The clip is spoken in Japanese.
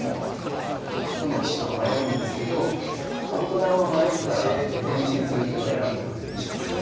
どの棋士も迷うんですけど羽生九段は迷ったら前進する手を選ぶような気がしますね。